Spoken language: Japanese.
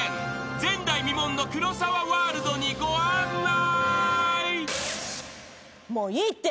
［前代未聞の黒沢ワールドにご案内］